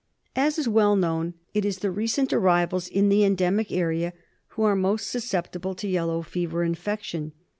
As is well known it is the recent arrivals in the endemic area who are most susceptible to yellow fever infection.